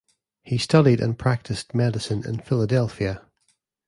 He studied and practiced medicine in Philadelphia.